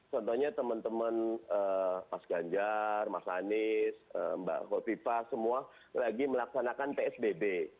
contohnya teman teman mas ganjar mas anies mbak hovipa semua lagi melaksanakan psbb